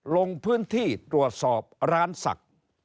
ลงพื้นที่รวดสอบร้านสัก